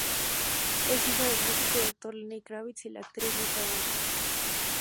Es hija del músico y actor Lenny Kravitz y la actriz Lisa Bonet.